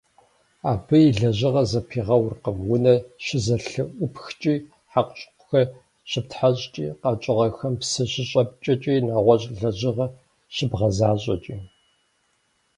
Абы и лэжьыгъэр зэпигъэуркъым унэр щызэлъыӀупхкӀи, хьэкъущыкъухэр щыптхьэщӀкӀи, къэкӀыгъэхэм псы щыщӀэпкӀэкӀи, нэгъуэщӀ лэжьыгъэ щыбгъэзащӀэкӀи.